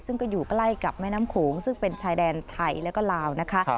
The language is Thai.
ซึ่งก็อยู่ใกล้กับแม่น้ำโขงซึ่งเป็นชายแดนไทยแล้วก็ลาวนะคะ